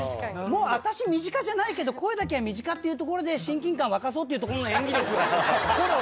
私身近じゃないけど声だけは身近っていうところで親近感湧かそうっていうところの演技力これは。